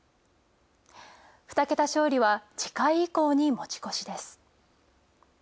２桁勝利は次回以降に持ち越しです。